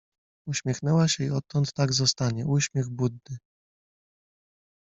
Uśmiechnęła się i odtąd tak zostanie: uśmiech Buddy.